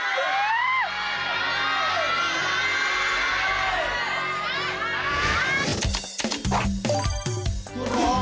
สวัสดีครับ